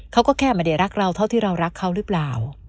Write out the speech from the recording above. เขาก็แค่ไม่ได้รักเราเท่าที่เรารักเขาหรือเปล่า